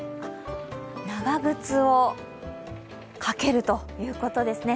長靴をかけるということですね。